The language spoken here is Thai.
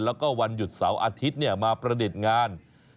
แล้วก็วันหยุดเสาร์อาทิตย์มาประดิษฐ์งาน